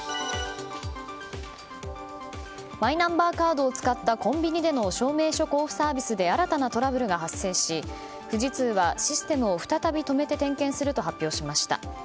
マイナンバーカードを使ったコンビニでの証明書交付サービスで新たなトラブルが発生し富士通はシステムを再び止めて点検すると発表しました。